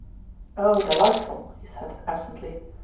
" Oh, delightful !" he said absently.